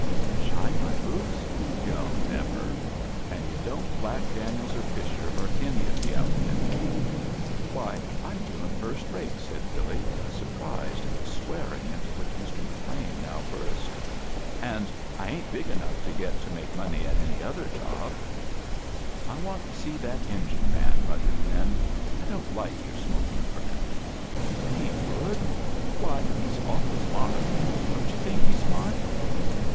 "Shine my boots? Yo'II never! And yu* don't black Daniels or Fisher, or any of the outfit." "■^y, Tm doing first rate," said Billy, , surprised at tlie swearing into which Mr. McLean now burst.* "An' I ain't big 58888'. A JOURNEY IN SEARCH OF CHRISTMAS enough to get to make money at any othef job." "I want to see that engine man^" mut tered Lin. "I don't like your smokia' friend." "Pete Goode? Why, he's awful smart. Don't you think he's smart